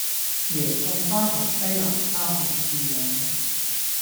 椰菜花同西蘭花好似樣